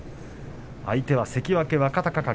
相手は関脇若隆景。